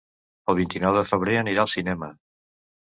El vint-i-nou de febrer anirà al cinema.